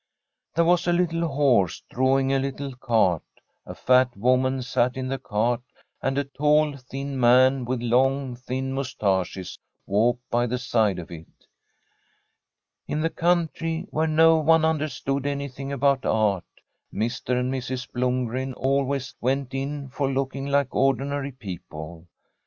There was a little horse, drawing a little cart ; a fat woman sat in the cart, and a tall, thin man, with long, thin moustaches walked by the side of it. In the country, where no one understood any The STORY •/ a COUNTRY HOUSE thing about art, Mr. and Mrs. Blomgren always went in for looking like ordinary people.